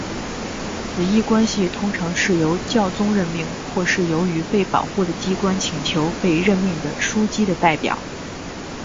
此一关系通常是由教宗任命或是由于被保护的机关请求被任命的枢机的代表。